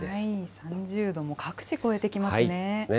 ３０度も各地、超えてきますね。